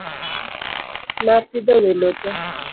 Napidho welo te.